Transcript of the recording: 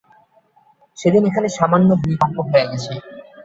সেদিন এখানে সামান্য ভূমিকম্প হয়ে গেছে।